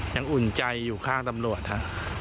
อุ่นใจอยู่ข้างตำรวจฮะ